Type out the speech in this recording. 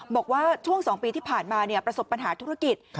บอกว่าช่วง๒ปีที่ผ่านมาประสบปัญหาธุรกิจ